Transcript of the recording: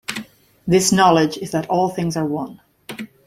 This knowledge is that all things are one.